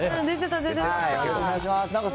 お願いします。